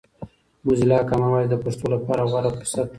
موزیلا کامن وایس د پښتو لپاره غوره فرصت دی.